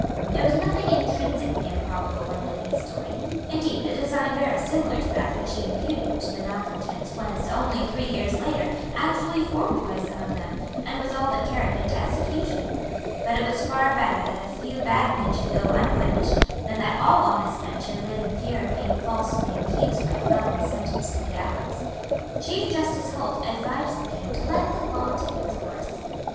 There was nothing intrinsically improbable in Whitney's story. Indeed a design very similar to that which he imputed to the malecontents was, only three years later, actually formed by some of them, and was all but carried into execution. But it was far better that a few bad men should go unpunished than that all honest men should live in fear of being falsely accused by felons sentenced to the gallows. Chief Justice Holt advised the King to let the law take its course.